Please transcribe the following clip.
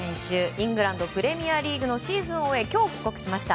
イングランドプレミアリーグのシーズンを終え今日、帰国しました。